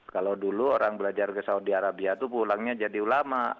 kalau dulu orang belajar ke saudi arabia itu pulangnya jadi ulama